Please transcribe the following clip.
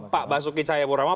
pak basuki cahaya burama